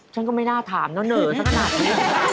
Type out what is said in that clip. ฉันก็ไม่น่าถามนะเหนอสักขนาดนี้